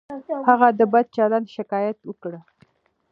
هغه د بد چلند شکایت وکړ.